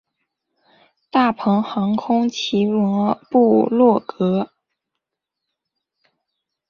大鹏航空奇摩部落格